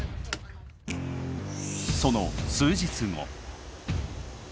その数日後。